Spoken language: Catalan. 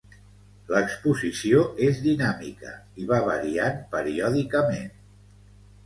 L'exposició és dinàmica i va variant periòdicament.